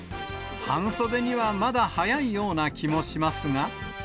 半袖にはまだ早いような気もしますが。